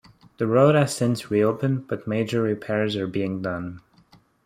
The road has since reopened but major repairs are being done.